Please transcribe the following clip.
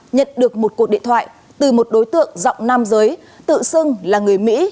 nhận được một cuộc điện thoại từ một đối tượng rộng nam giới tự xưng là người mỹ